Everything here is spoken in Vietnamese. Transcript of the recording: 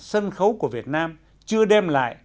sân khấu của việt nam chưa đem lại